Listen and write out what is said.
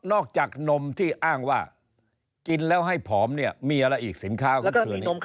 จากนมที่อ้างว่ากินแล้วให้ผอมเนี่ยมีอะไรอีกสินค้าก็คือ